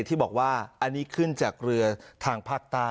ที่บอกว่าอันนี้ขึ้นจากเรือทางภาคใต้